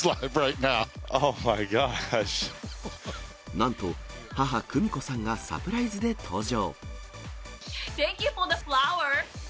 なんと、母、久美子さんがサプライズで登場。